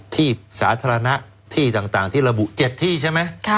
ที่สาธารณะที่ต่างที่ระบุ๗ที่ใช่ไหม